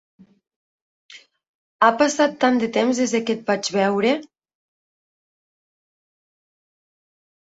Ha passat tant de temps des que et vaig veure!